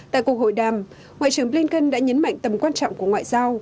tại cuộc hội đàm ngoại trưởng blinken đã nhấn mạnh tầm quan trọng của ngoại giao